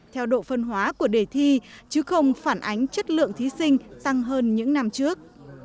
theo độ phân hóa của đề thi chứ không phản ánh chất lượng thí sinh tăng hơn những năm trước